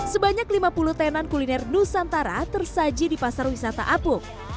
sebanyak lima puluh tenan kuliner nusantara tersaji di pasar wisata apuk